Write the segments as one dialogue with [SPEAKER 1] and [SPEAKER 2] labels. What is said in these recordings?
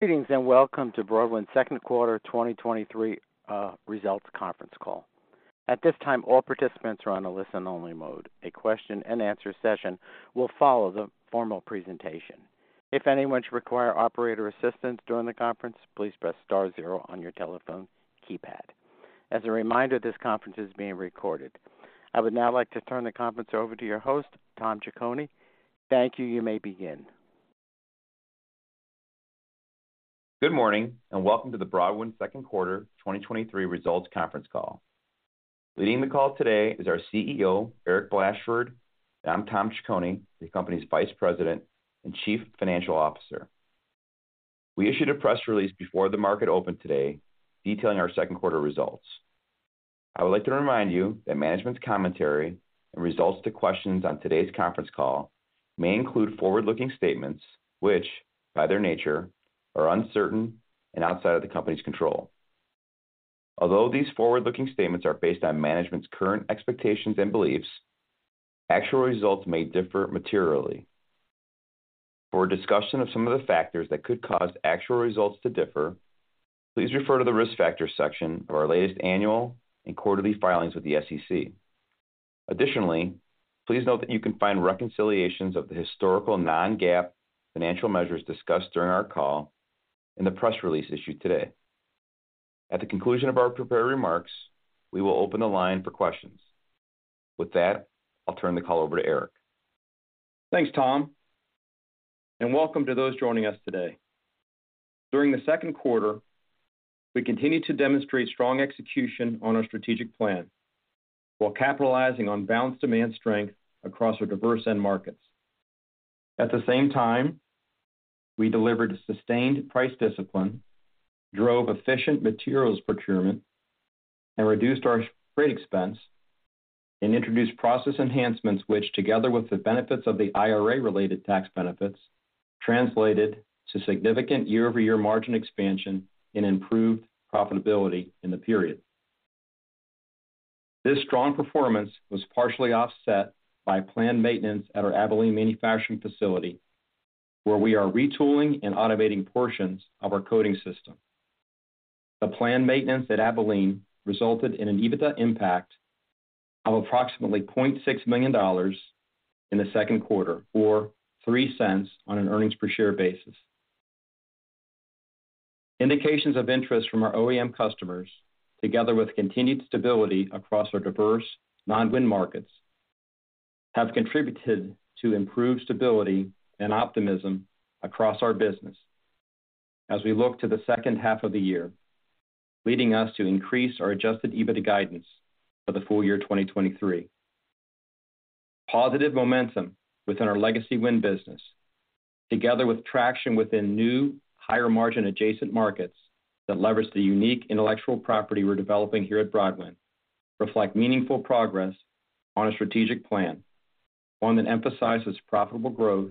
[SPEAKER 1] Greetings, welcome to Broadwind's second quarter 2023 results conference call. At this time, all participants are on a listen-only mode. A question-and-answer session will follow the formal presentation. If anyone should require operator assistance during the conference, please press star 0 on your telephone keypad. As a reminder, this conference is being recorded. I would now like to turn the conference over to your host, Tom Ciccone. Thank you. You may begin.
[SPEAKER 2] Good morning. Welcome to the Broadwind second quarter 2023 results conference call. Leading the call today is our CEO, Eric Blashford, and I'm Tom Ciccone, the company's Vice President and Chief Financial Officer. We issued a press release before the market opened today, detailing our second quarter results. I would like to remind you that management's commentary and results to questions on today's conference call may include forward-looking statements, which, by their nature, are uncertain and outside of the company's control. Although these forward-looking statements are based on management's current expectations and beliefs, actual results may differ materially. For a discussion of some of the factors that could cause actual results to differ, please refer to the Risk Factors section of our latest annual and quarterly filings with the SEC. Additionally, please note that you can find reconciliations of the historical non-GAAP financial measures discussed during our call in the press release issued today. At the conclusion of our prepared remarks, we will open the line for questions. With that, I'll turn the call over to Eric.
[SPEAKER 3] Thanks, Tom. Welcome to those joining us today. During the second quarter, we continued to demonstrate strong execution on our strategic plan while capitalizing on balanced demand strength across our diverse end markets. At the same time, we delivered a sustained price discipline, drove efficient materials procurement, and reduced our freight expense and introduced process enhancements, which, together with the benefits of the IRA-related tax benefits, translated to significant year-over-year margin expansion and improved profitability in the period. This strong performance was partially offset by planned maintenance at our Abilene manufacturing facility, where we are retooling and automating portions of our coating system. The planned maintenance at Abilene resulted in an EBITDA impact of approximately $0.6 million in the second quarter, or $0.03 on an earnings per share basis. Indications of interest from our OEM customers, together with continued stability across our diverse non-wind markets, have contributed to improved stability and optimism across our business as we look to the second half of the year, leading us to increase our Adjusted EBITDA guidance for the full year 2023. Positive momentum within our legacy wind business, together with traction within new, higher-margin adjacent markets that leverage the unique intellectual property we're developing here at Broadwind, reflect meaningful progress on a strategic plan, one that emphasizes profitable growth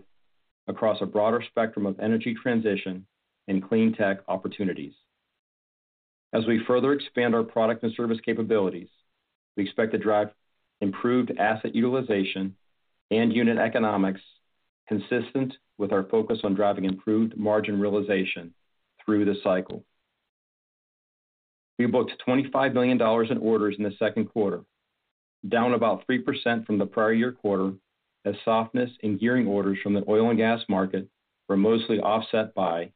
[SPEAKER 3] across a broader spectrum of energy transition and clean tech opportunities. As we further expand our product and service capabilities, we expect to drive improved asset utilization and unit economics consistent with our focus on driving improved margin realization through the cycle. We booked $25 million in orders in the second quarter, down about 3% from the prior year quarter, as softness in gearing orders from the oil and gas market were mostly offset by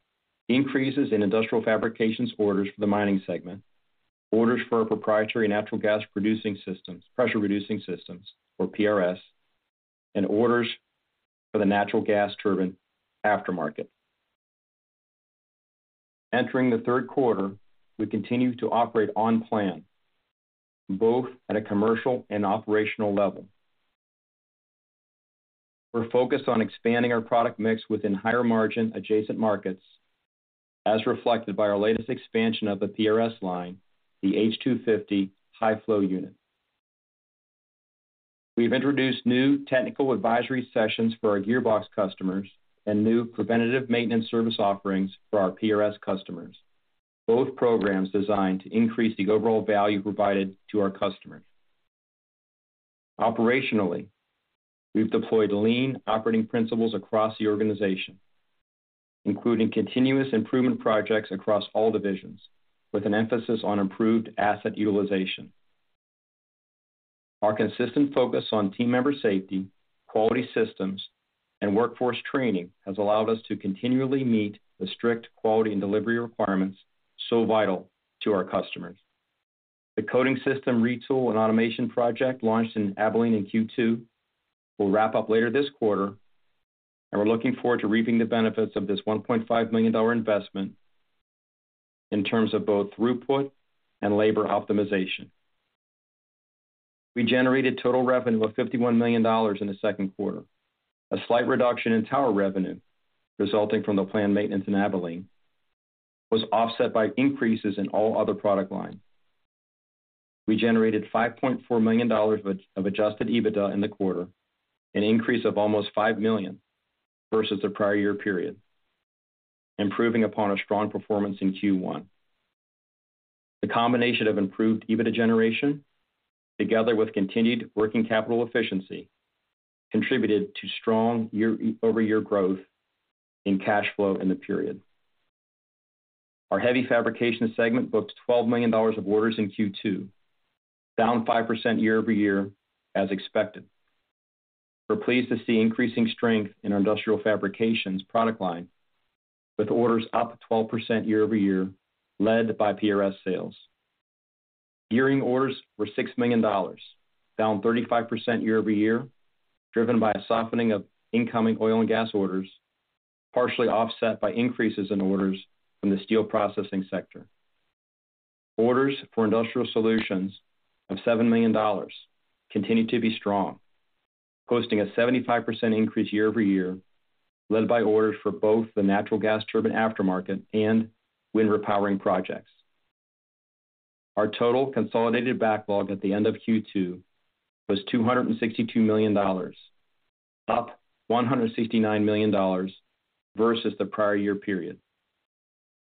[SPEAKER 3] increases in industrial fabrications orders for the mining segment, orders for our proprietary natural gas-producing systems, pressure-reducing systems, or PRS, and orders for the natural gas turbine aftermarket. Entering the third quarter, we continue to operate on plan, both at a commercial and operational level. We're focused on expanding our product mix within higher-margin adjacent markets, as reflected by our latest expansion of the PRS line, the H250 High Flow unit. We've introduced new technical advisory sessions for our gearbox customers and new preventative maintenance service offerings for our PRS customers, both programs designed to increase the overall value provided to our customers. Operationally, we've deployed lean operating principles across the organization, including continuous improvement projects across all divisions, with an emphasis on improved asset utilization. Our consistent focus on team member safety, quality systems, and workforce training has allowed us to continually meet the strict quality and delivery requirements so vital to our customers. The coating system retool and automation project, launched in Abilene in Q2, will wrap up later this quarter, and we're looking forward to reaping the benefits of this $1.5 million investment in terms of both throughput and labor optimization. We generated total revenue of $51 million in the second quarter. A slight reduction in tower revenue, resulting from the planned maintenance in Abilene, was offset by increases in all other product lines. We generated $5.4 million of Adjusted EBITDA in the quarter, an increase of almost $5 million versus the prior year period, improving upon a strong performance in Q1. The combination of improved EBITDA generation, together with continued working capital efficiency, contributed to strong year-over-year growth in cash flow in the period. Our heavy fabrication segment booked $12 million of orders in Q2, down 5% year-over-year as expected. We're pleased to see increasing strength in our industrial fabrications product line, with orders up 12% year-over-year, led by PRS sales. Gearing orders were $6 million, down 35% year-over-year, driven by a softening of incoming oil and gas orders, partially offset by increases in orders from the steel processing sector. Orders for industrial solutions of $7 million continued to be strong, posting a 75% increase year-over-year, led by orders for both the natural gas turbine aftermarket and wind repowering projects. Our total consolidated backlog at the end of Q2 was $262 million, up $169 million versus the prior year period.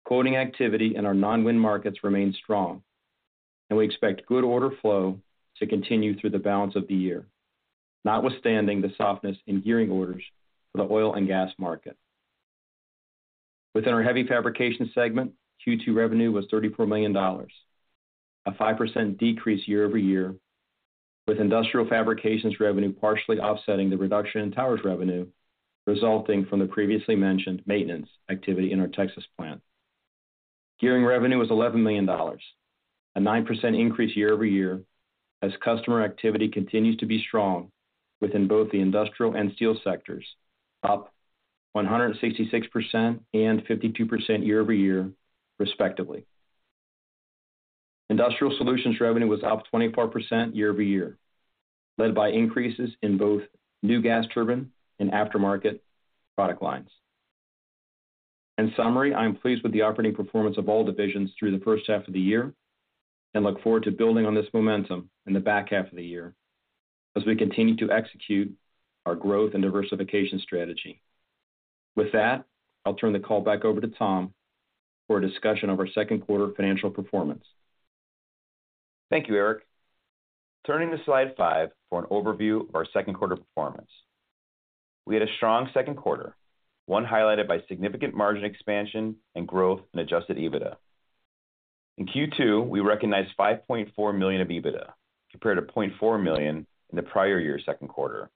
[SPEAKER 3] Quoting activity in our non-wind markets remains strong, and we expect good order flow to continue through the balance of the year, notwithstanding the softness in gearing orders for the oil and gas market. Within our heavy fabrication segment, Q2 revenue was $34 million, a 5% decrease year-over-year, with industrial fabrications revenue partially offsetting the reduction in towers revenue, resulting from the previously mentioned maintenance activity in our Texas plant. Gearing revenue was $11 million, a 9% increase year-over-year, as customer activity continues to be strong within both the industrial and steel sectors, up 166% and 52% year-over-year, respectively. Industrial Solutions revenue was up 24% year-over-year, led by increases in both new gas turbine and aftermarket product lines. In summary, I'm pleased with the operating performance of all divisions through the first half of the year and look forward to building on this momentum in the back half of the year as we continue to execute our growth and diversification strategy. I'll turn the call back over to Tom for a discussion of our second quarter financial performance.
[SPEAKER 2] Thank you, Eric. Turning to slide five for an overview of our second quarter performance. We had a strong second quarter, one highlighted by significant margin expansion and growth in Adjusted EBITDA. In Q2, we recognized $5.4 million of EBITDA, compared to $0.4 million in the prior year's second quarter.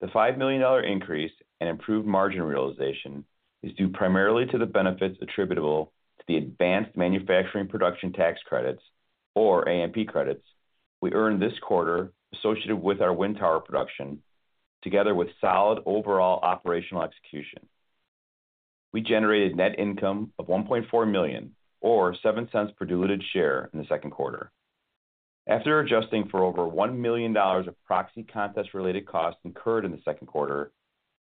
[SPEAKER 2] The $5 million increase and improved margin realization is due primarily to the benefits attributable to the Advanced Manufacturing Production tax credits, or AMP credits, we earned this quarter associated with our wind tower production, together with solid overall operational execution. We generated net income of $1.4 million, or $0.07 per diluted share in the second quarter. After adjusting for over $1 million of proxy contest-related costs incurred in the second quarter,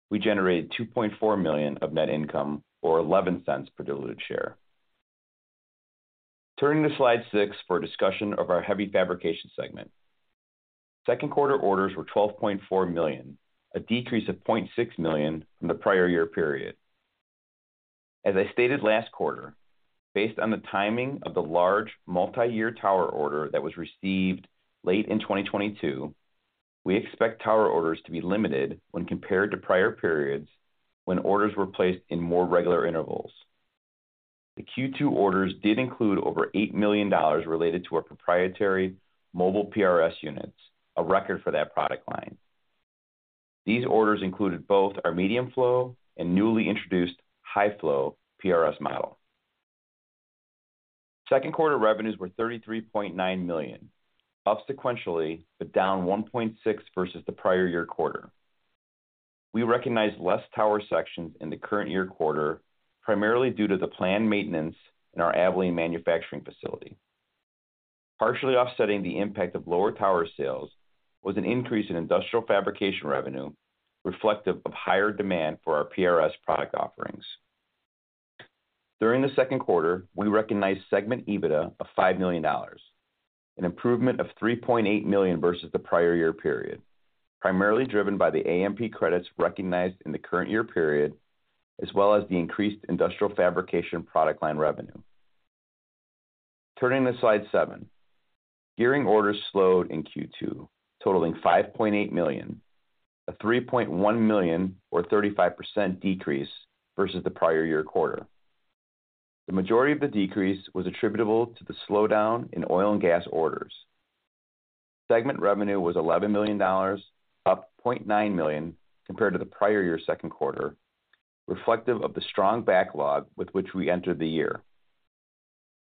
[SPEAKER 2] we generated $2.4 million of net income, or $0.11 per diluted share. Turning to slide six for a discussion of our heavy fabrication segment. Second quarter orders were $12.4 million, a decrease of $0.6 million from the prior year period. As I stated last quarter, based on the timing of the large multi-year tower order that was received late in 2022, we expect tower orders to be limited when compared to prior periods when orders were placed in more regular intervals. The Q2 orders did include over $8 million related to our proprietary mobile PRS units, a record for that product line. These orders included both our medium flow and newly introduced high flow PRS model. Second quarter revenues were $33.9 million, up sequentially, but down $1.6 million versus the prior year quarter. We recognized less tower sections in the current year quarter, primarily due to the planned maintenance in our Abilene manufacturing facility. Partially offsetting the impact of lower tower sales was an increase in industrial fabrication revenue, reflective of higher demand for our PRS product offerings. During the second quarter, we recognized segment EBITDA of $5 million, an improvement of $3.8 million versus the prior year period, primarily driven by the AMP credits recognized in the current year period, as well as the increased industrial fabrication product line revenue. Turning to slide seven. Gearing orders slowed in Q2, totaling $5.8 million, a $3.1 million, or 35% decrease versus the prior year quarter. The majority of the decrease was attributable to the slowdown in oil and gas orders. Segment revenue was $11 million, up $0.9 million compared to the prior year's second quarter, reflective of the strong backlog with which we entered the year.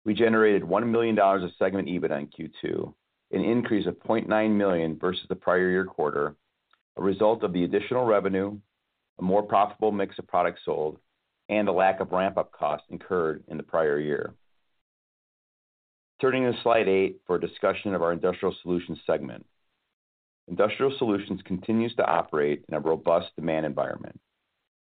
[SPEAKER 2] We generated $1 million of segment EBIT in Q2, an increase of $0.9 million versus the prior year quarter, a result of the additional revenue, a more profitable mix of products sold, and a lack of ramp-up costs incurred in the prior year. Turning to slide eight for a discussion of our industrial solutions segment. Industrial Solutions continues to operate in a robust demand environment.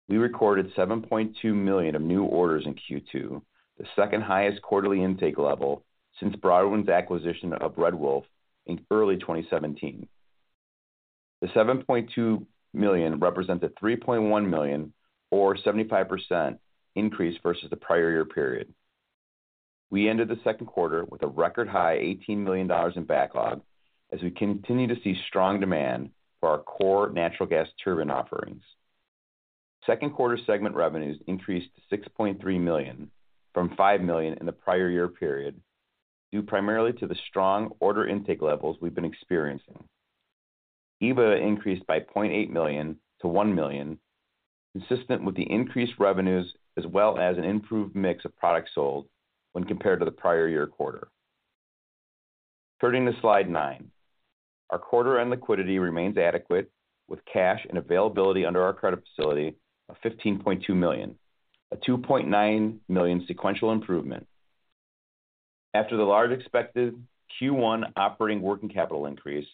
[SPEAKER 2] We recorded $7.2 million of new orders in Q2, the second highest quarterly intake level since Broadwind's acquisition of Red Wolf in early 2017. The $7.2 million represents a $3.1 million, or 75% increase versus the prior year period. We ended the second quarter with a record high $18 million in backlog, as we continue to see strong demand for our core natural gas turbine offerings. Second quarter segment revenues increased to $6.3 million, from $5 million in the prior year period, due primarily to the strong order intake levels we've been experiencing. EBITDA increased by $0.8 million to $1 million, consistent with the increased revenues, as well as an improved mix of products sold when compared to the prior year quarter. Turning to slide nine. Our quarter-end liquidity remains adequate, with cash and availability under our credit facility of $15.2 million, a $2.9 million sequential improvement. After the large expected Q1 operating working capital increase,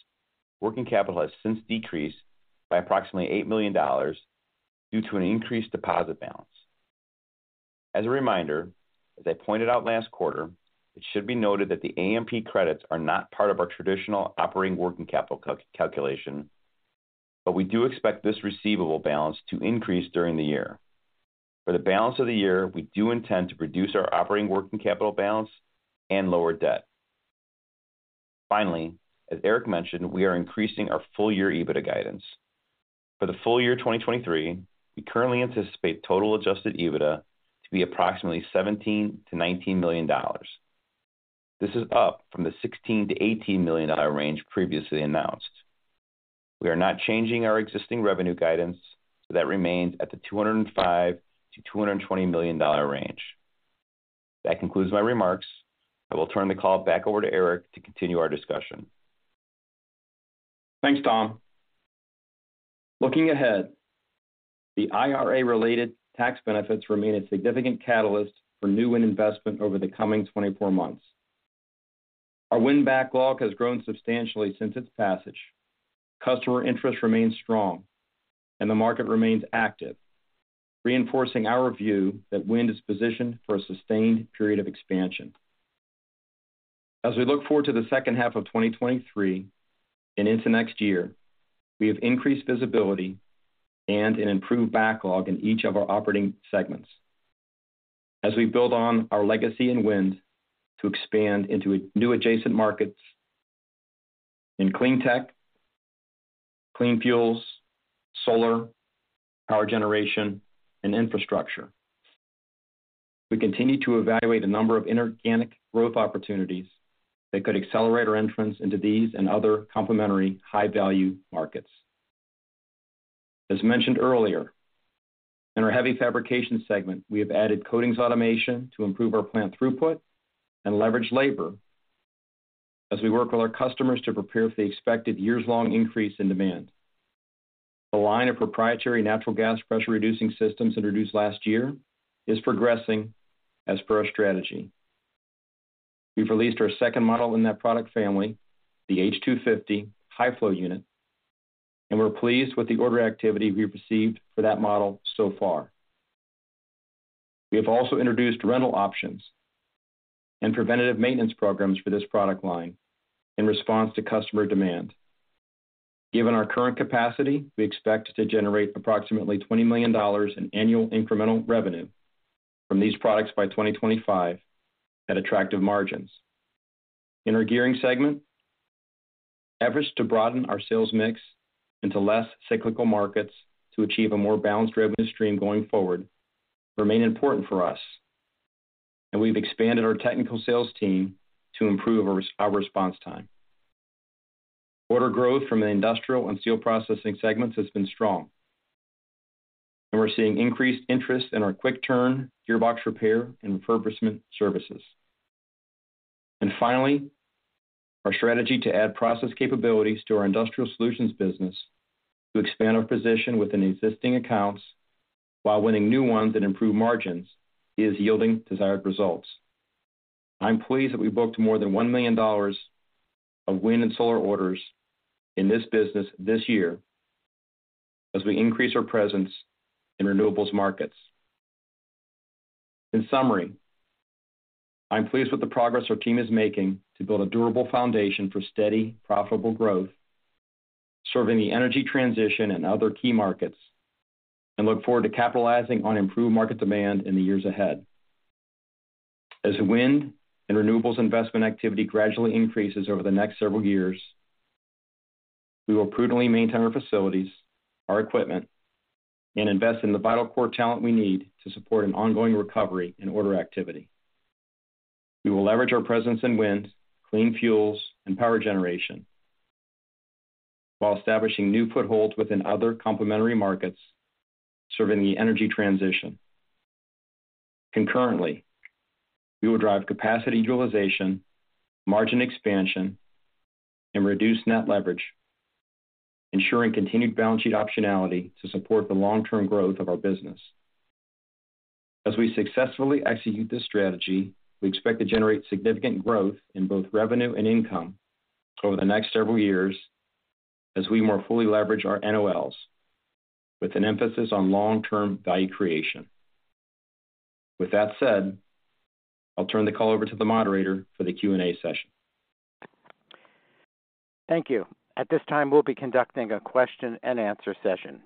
[SPEAKER 2] working capital has since decreased by approximately $8 million due to an increased deposit balance. As a reminder, as I pointed out last quarter, it should be noted that the AMP credits are not part of our traditional operating working capital calculation, but we do expect this receivable balance to increase during the year. For the balance of the year, we do intend to reduce our operating working capital balance and lower debt. Finally, as Eric mentioned, we are increasing our full-year EBITDA guidance. For the full year 2023, we currently anticipate total Adjusted EBITDA to be approximately $17 million-$19 million. This is up from the $16 million-$18 million range previously announced. We are not changing our existing revenue guidance, that remains at the $205 million-$220 million range. That concludes my remarks. I will turn the call back over to Eric to continue our discussion.
[SPEAKER 3] Thanks, Tom. Looking ahead, the IRA-related tax benefits remain a significant catalyst for new wind investment over the coming 24 months. Our wind backlog has grown substantially since its passage. Customer interest remains strong, and the market remains active, reinforcing our view that wind is positioned for a sustained period of expansion. As we look forward to the second half of 2023 and into next year, we have increased visibility and an improved backlog in each of our operating segments. As we build on our legacy in wind to expand into new adjacent markets in clean tech, clean fuels, solar, power generation, and infrastructure, we continue to evaluate a number of inorganic growth opportunities that could accelerate our entrance into these and other complementary high-value markets. As mentioned earlier, in our heavy fabrication segment, we have added coatings automation to improve our plant throughput and leverage labor as we work with our customers to prepare for the expected years-long increase in demand. The line of proprietary natural gas pressure-reducing systems introduced last year is progressing as per our strategy. We've released our second model in that product family, the H250 High Flow unit, and we're pleased with the order activity we've received for that model so far. We have also introduced rental options and preventative maintenance programs for this product line in response to customer demand. Given our current capacity, we expect to generate approximately $20 million in annual incremental revenue from these products by 2025 at attractive margins. In our gearing segment, efforts to broaden our sales mix into less cyclical markets to achieve a more balanced revenue stream going forward remain important for us, and we've expanded our technical sales team to improve our response time. Order growth from the industrial and steel processing segments has been strong, and we're seeing increased interest in our quick turn gearbox repair and refurbishment services. Finally, our strategy to add process capabilities to our industrial solutions business to expand our position within existing accounts while winning new ones that improve margins, is yielding desired results. I'm pleased that we booked more than $1 million of wind and solar orders in this business this year as we increase our presence in renewables markets. In summary, I'm pleased with the progress our team is making to build a durable foundation for steady, profitable growth, serving the energy transition and other key markets, and look forward to capitalizing on improved market demand in the years ahead. As wind and renewables investment activity gradually increases over the next several years, we will prudently maintain our facilities, our equipment, and invest in the vital core talent we need to support an ongoing recovery in order activity. We will leverage our presence in wind, clean fuels, and power generation, while establishing new footholds within other complementary markets serving the energy transition. Concurrently, we will drive capacity utilization, margin expansion, and reduce net leverage, ensuring continued balance sheet optionality to support the long-term growth of our business. As we successfully execute this strategy, we expect to generate significant growth in both revenue and income over the next several years as we more fully leverage our NOLs with an emphasis on long-term value creation. With that said, I'll turn the call over to the moderator for the Q&A session.
[SPEAKER 1] Thank you. At this time, we'll be conducting a question-and-answer session.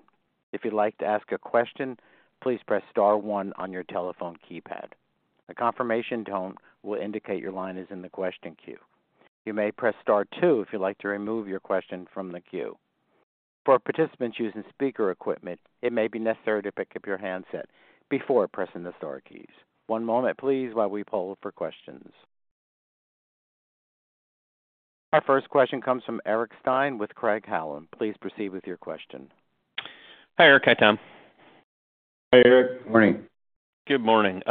[SPEAKER 1] If you'd like to ask a question, please press star 1 on your telephone keypad. A confirmation tone will indicate your line is in the question queue. You may press star 2 if you'd like to remove your question from the queue. For participants using speaker equipment, it may be necessary to pick up your handset before pressing the star keys. One moment please, while we poll for questions. Our first question comes from Eric Stine with Craig-Hallum. Please proceed with your question.
[SPEAKER 4] Hi, Eric. Hi, Tom.
[SPEAKER 3] Hi, Eric. Morning.
[SPEAKER 4] Good morning.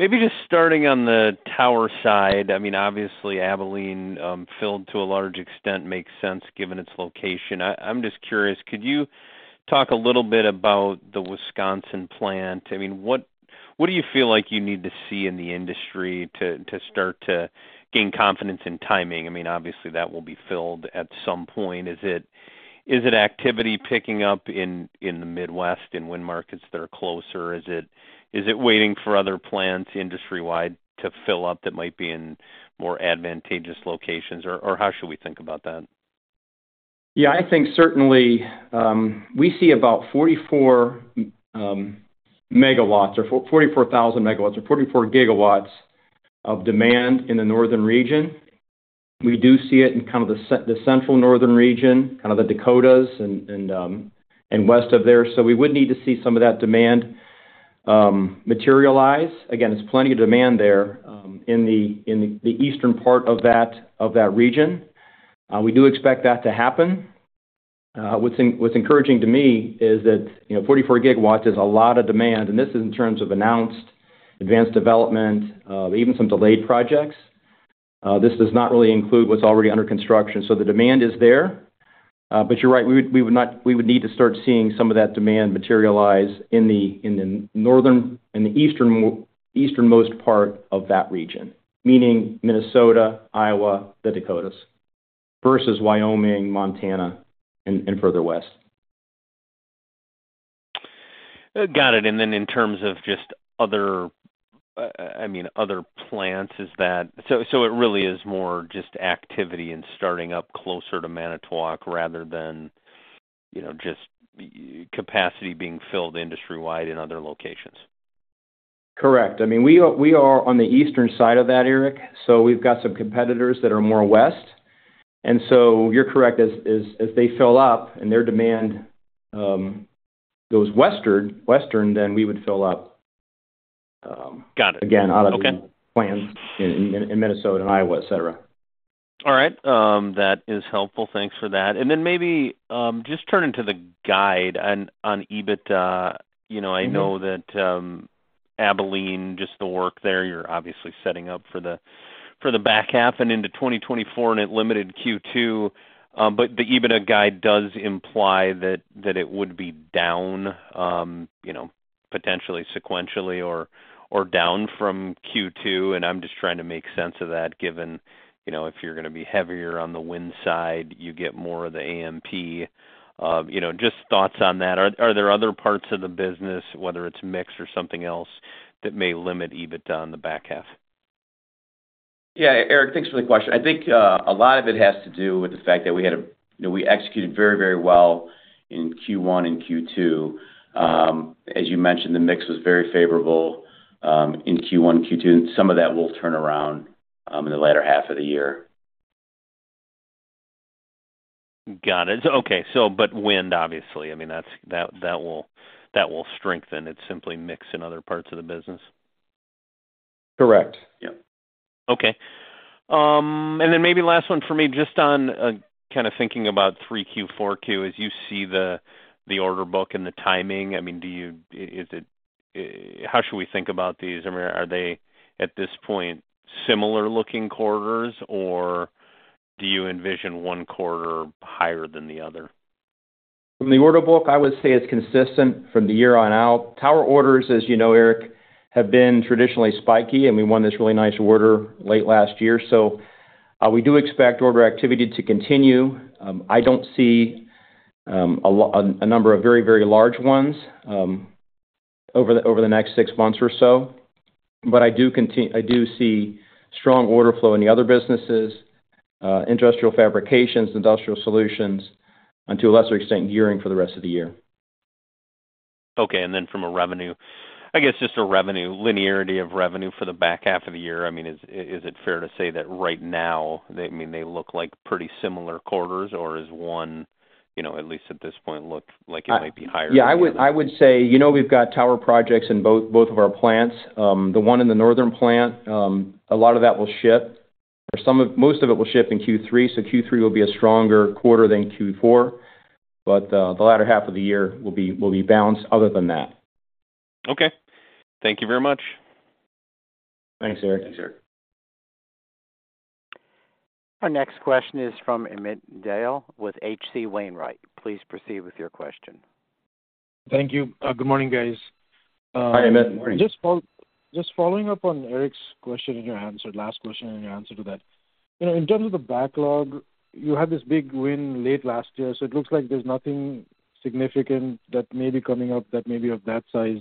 [SPEAKER 4] Maybe just starting on the tower side, I mean, obviously, Abilene filled to a large extent, makes sense given its location. I'm just curious, could you talk a little bit about the Wisconsin plant? I mean, what do you feel like you need to see in the industry to start to gain confidence in timing? I mean, obviously, that will be filled at some point. Is it activity picking up in the Midwest, in wind markets that are closer? Is it waiting for other plants industry-wide to fill up that might be in more advantageous locations? How should we think about that?
[SPEAKER 3] Yeah, I think certainly, we see about 44 megawatts or 44,000 megawatts or 44 GW of demand in the northern region. We do see it in kind of the central northern region, kind of the Dakotas and, and, and west of there. We would need to see some of that demand materialize. Again, there's plenty of demand there, in the, in the eastern part of that, of that region. We do expect that to happen. What's, what's encouraging to me is that, you know, 44 GW is a lot of demand, and this is in terms of announced advanced development, even some delayed projects. This does not really include what's already under construction, so the demand is there. You're right, we would need to start seeing some of that demand materialize in the, in the northern and the eastern easternmost part of that region, meaning Minnesota, Iowa, the Dakotas, versus Wyoming, Montana, and, and further west.
[SPEAKER 4] Got it. Then in terms of just other, I mean, other plants, is that. So, it really is more just activity and starting up closer to Manitowoc rather than, you know, just, capacity being filled industry-wide in other locations?
[SPEAKER 3] Correct. I mean, we are, we are on the eastern side of that, Eric, so we've got some competitors that are more west. So you're correct, as, as, as they fill up and their demand goes westward, western, then we would fill up.
[SPEAKER 4] Got it.
[SPEAKER 3] Again, out of the.
[SPEAKER 4] Okay.
[SPEAKER 3] Plants in Minnesota and Iowa, et cetera.
[SPEAKER 4] All right, that is helpful. Thanks for that. Then maybe, just turning to the guide on, on EBITDA, you know.
[SPEAKER 3] Mm-hmm.
[SPEAKER 4] I know that Abilene, just the work there, you're obviously setting up for the, for the back half and into 2024, and it limited Q2. The EBITDA guide does imply that, that it would be down, you know, potentially sequentially or, or down from Q2. I'm just trying to make sense of that, given, you know, if you're gonna be heavier on the wind side, you get more of the AMP. You know, just thoughts on that. Are there other parts of the business, whether it's mix or something else, that may limit EBITDA in the back half?
[SPEAKER 3] Yeah, Eric, thanks for the question. I think a lot of it has to do with the fact that we had you know, we executed very, very well in Q1 and Q2. As you mentioned, the mix was very favorable in Q1, Q2, and some of that will turn around in the latter half of the year.
[SPEAKER 4] Got it. Okay, but wind, obviously, I mean, that's, that, that will, that will strengthen. It's simply mix in other parts of the business?
[SPEAKER 3] Correct. Yep.
[SPEAKER 4] Okay. Maybe last one for me, just on, kind of thinking about 3Q, 4Q, as you see the, the order book and the timing. I mean, how should we think about these? I mean, are they, at this point, similar-looking quarters, or do you envision one quarter higher than the other?
[SPEAKER 3] From the order book, I would say it's consistent from the year on out. Tower orders, as you know, Eric, have been traditionally spiky, and we won this really nice order late last year, so, we do expect order activity to continue. I don't see a number of very, very large ones over the next six months or so. But I do see strong order flow in the other businesses, industrial fabrications, industrial solutions, and to a lesser extent, gearing for the rest of the year.
[SPEAKER 4] Okay, then from a revenue, I guess just a revenue, linearity of revenue for the back half of the year. I mean, is, is it fair to say that right now, they, I mean, they look like pretty similar quarters, or is one, you know, at least at this point, look like it might be higher than the other?
[SPEAKER 3] Yeah, I would, I would say, you know, we've got tower projects in both, both of our plants. The one in the northern plant, a lot of that will ship, or some of, most of it will ship in Q3, so Q3 will be a stronger quarter than Q4. The latter half of the year will be, will be balanced other than that.
[SPEAKER 4] Okay. Thank you very much.
[SPEAKER 3] Thanks, Eric.
[SPEAKER 1] Thanks, Eric. Our next question is from Amit Dayal with H.C. Wainwright. Please proceed with your question.
[SPEAKER 5] Thank you. Good morning, guys.
[SPEAKER 3] Hi, Amit. Good morning.
[SPEAKER 5] Just following up on Eric's question and your answer, last question and your answer to that. You know, in terms of the backlog, you had this big win late last year, so it looks like there's nothing significant that may be coming up that may be of that size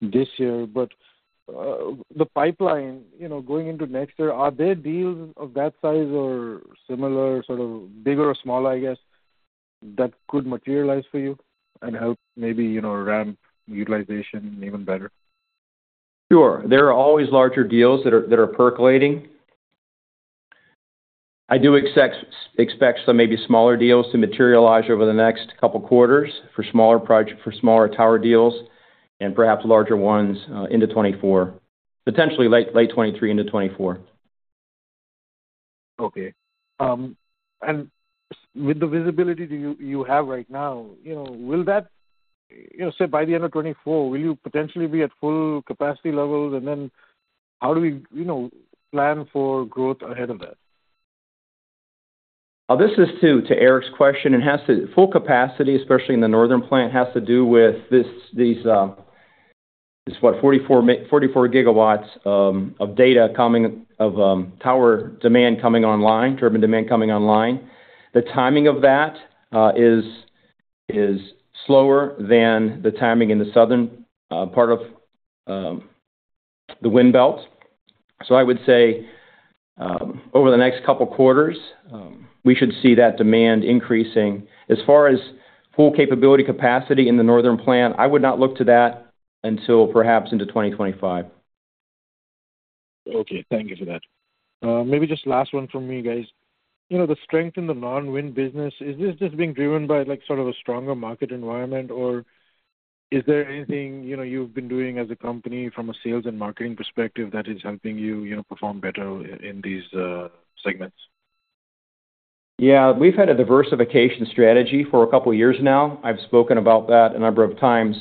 [SPEAKER 5] this year. The pipeline, you know, going into next year, are there deals of that size or similar, sort of, bigger or smaller, I guess, that could materialize for you and help maybe, you know, ramp utilization even better?
[SPEAKER 3] Sure. There are always larger deals that are, that are percolating. I do expect some maybe smaller deals to materialize over the next couple quarters for smaller project, for smaller tower deals, and perhaps larger ones, into 2024. Potentially late, late 2023 into 2024.
[SPEAKER 5] Okay. With the visibility that you, you have right now, you know, will that you know, say, by the end of 2024, will you potentially be at full capacity levels? How do we, you know, plan for growth ahead of that?
[SPEAKER 3] This is to Eric's question, and has to do with this, these, this what, 44 GW of tower demand coming online, turbine demand coming online. The timing of that is slower than the timing in the southern part of the wind belt. I would say, over the next couple quarters, we should see that demand increasing. As far as full capability capacity in the northern plant, I would not look to that until perhaps into 2025.
[SPEAKER 5] Okay, thank you for that. Maybe just last one from me, guys. You know, the strength in the non-wind business, is this just being driven by, like, sort of a stronger market environment? Or is there anything, you know, you've been doing as a company from a sales and marketing perspective that is helping you, you know, perform better in these segments?
[SPEAKER 3] Yeah, we've had a diversification strategy for a couple of years now. I've spoken about that a number of times.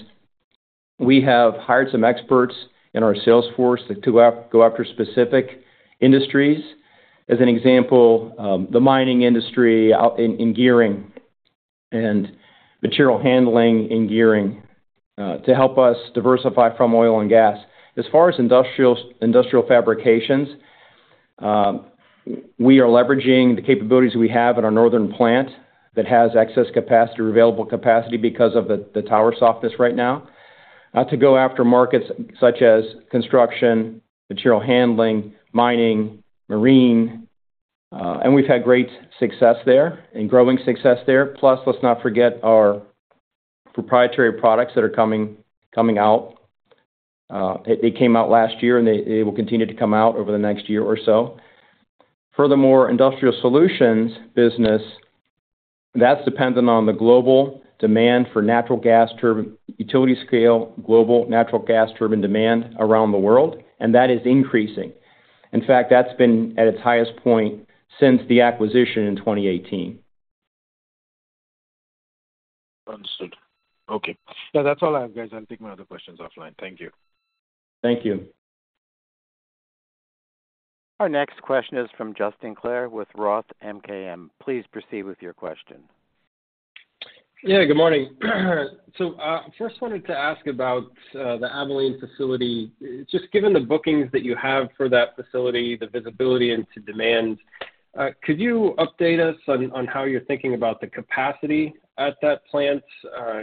[SPEAKER 3] We have hired some experts in our sales force to go, go after specific industries. As an example, the mining industry out in, in gearing and material handling in gearing, to help us diversify from oil and gas. As far as industrial fabrications, we are leveraging the capabilities we have in our northern plant that has excess capacity or available capacity because of the, the tower softness right now, to go after markets such as construction, material handling, mining, marine, and we've had great success there and growing success there. Plus, let's not forget our proprietary products that are coming, coming out. They, they came out last year, and they, they will continue to come out over the next year or so. Furthermore, industrial solutions business, that's dependent on the global demand for natural gas turbine, utility scale, global natural gas turbine demand around the world, and that is increasing. In fact, that's been at its highest point since the acquisition in 2018.
[SPEAKER 5] Understood. Okay. No, that's all I have, guys. I'll take my other questions offline. Thank you.
[SPEAKER 3] Thank you.
[SPEAKER 1] Our next question is from Justin Clare with Roth MKM. Please proceed with your question.
[SPEAKER 6] Yeah, good morning. First wanted to ask about, the Abilene facility. Just given the bookings that you have for that facility, the visibility into demand, could you update us on, on how you're thinking about the capacity at that plant?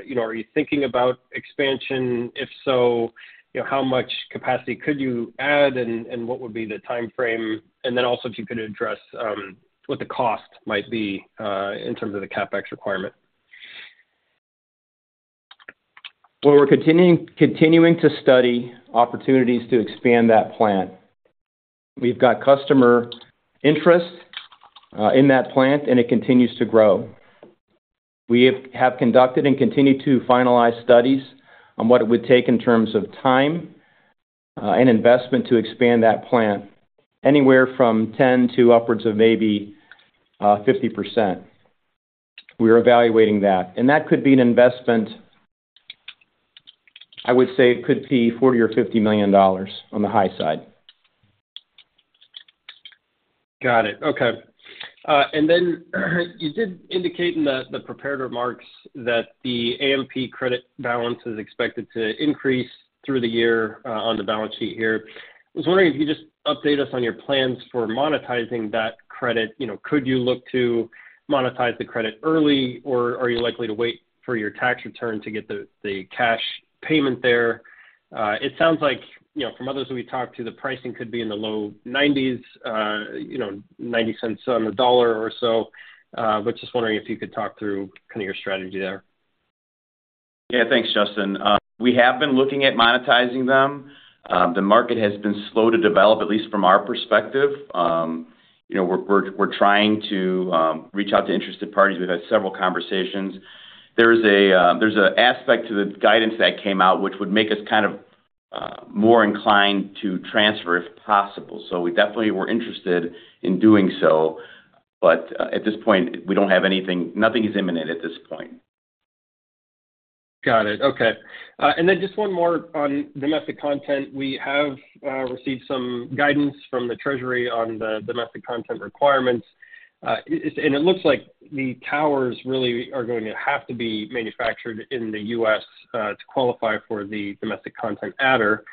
[SPEAKER 6] You know, are you thinking about expansion? If so, you know, how much capacity could you add, and, and what would be the timeframe? Also, if you could address what the cost might be, in terms of the CapEx requirement.
[SPEAKER 3] Well, we're continuing to study opportunities to expand that plant. We've got customer interest in that plant. It continues to grow. We have conducted and continue to finalize studies on what it would take in terms of time and investment to expand that plant, anywhere from 10 to upwards of maybe 50%. We're evaluating that. That could be an investment, I would say it could be $40 million or $50 million on the high side.
[SPEAKER 6] Got it. Okay. Then, you did indicate in the prepared remarks that the AMP credit balance is expected to increase through the year on the balance sheet here. I was wondering if you could just update us on your plans for monetizing that credit. You know, could you look to monetize the credit early, or are you likely to wait for your tax return to get the cash payment there? It sounds like, you know, from others we've talked to, the pricing could be in the low 90s, you know, $0.90 on the dollar or so. Just wondering if you could talk through kind of your strategy there.
[SPEAKER 3] Yeah, thanks, Justin. We have been looking at monetizing them. The market has been slow to develop, at least from our perspective. You know, we're, we're, we're trying to reach out to interested parties. We've had several conversations. There is a, there's a aspect to the guidance that came out, which would make us kind of more inclined to transfer, if possible. We definitely were interested in doing so, but at this point, we don't have anything. Nothing is imminent at this point.
[SPEAKER 6] Got it. Okay. Then just one more on domestic content. We have received some guidance from the treasury on the domestic content requirements. It looks like the towers really are going to have to be manufactured in the U.S. to qualify for the domestic content adder.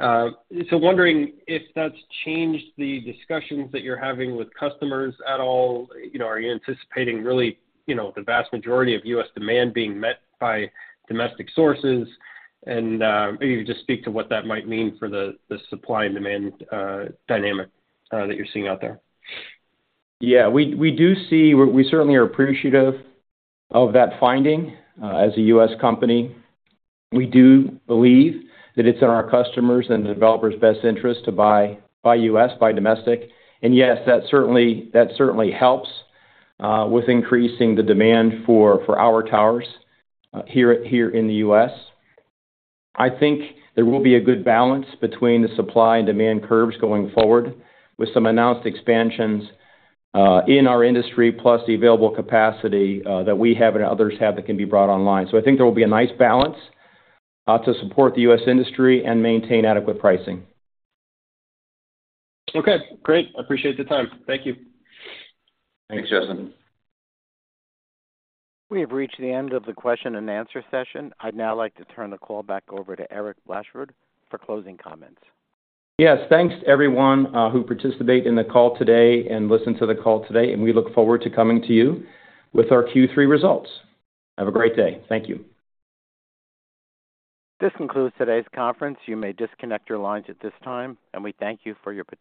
[SPEAKER 6] Wondering if that's changed the discussions that you're having with customers at all. You know, are you anticipating really, you know, the vast majority of U.S. demand being met by domestic sources? Maybe you just speak to what that might mean for the, the supply and demand dynamic that you're seeing out there.
[SPEAKER 3] Yeah, we, we do see. We, we certainly are appreciative of that finding, as a U.S. company. We do believe that it's in our customers and developers' best interest to buy, buy U.S., buy domestic. Yes, that certainly, that certainly helps with increasing the demand for, for our towers here, here in the U.S. I think there will be a good balance between the supply and demand curves going forward, with some announced expansions in our industry, plus the available capacity that we have and others have that can be brought online. I think there will be a nice balance to support the U.S. industry and maintain adequate pricing.
[SPEAKER 6] Okay, great. I appreciate the time. Thank you.
[SPEAKER 3] Thanks, Justin.
[SPEAKER 1] We have reached the end of the question and answer session. I'd now like to turn the call back over to Eric Blashford for closing comments.
[SPEAKER 3] Yes. Thanks to everyone, who participated in the call today and listened to the call today. We look forward to coming to you with our Q3 results. Have a great day. Thank you.
[SPEAKER 1] This concludes today's conference. You may disconnect your lines at this time, and we thank you for your participation.